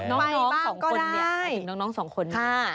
พาน้องไปบ้างก็ได้